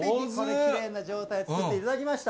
きれいな状態で作っていただきました。